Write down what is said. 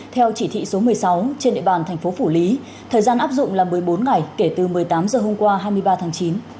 theo chỉ thị số một mươi sáu trên địa bàn thành phố phủ lý thời gian áp dụng là một mươi bốn ngày kể từ một mươi tám h hôm qua hai mươi ba tháng chín